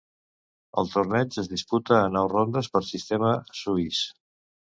El torneig es disputa a nou rondes per sistema suís.